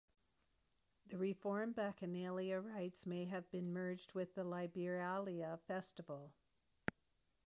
The reformed Bacchanalia rites may have been merged with the Liberalia festival.